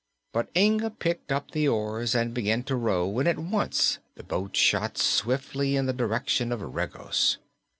But Inga picked up the oars and began to row and at once the boat shot swiftly in the direction of Regos.